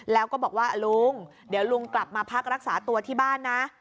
แล้วก็บอกว่าลุงเดี๋ยวลุงกลับมาพักรักษาตัวที่บ้านนะ